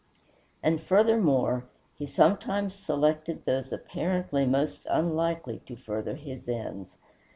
And, furthermore, he sometimes selected those apparently most unlikely to further his ends.